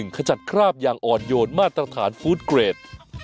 ขจัดคราบอย่างอ่อนโยนมาตรฐานฟู้ดเกรด